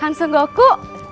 kam sungguh aku